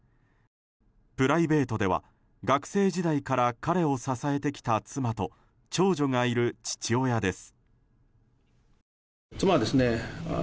プライベートでは学生時代から彼を支えてきた妻と長女がいる父親です。